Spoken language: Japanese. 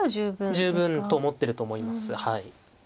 十分と思ってると思います。